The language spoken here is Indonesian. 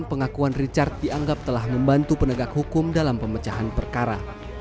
pengakuan richard dianggap telah membantu penegak hukum dalam pemecahan perkara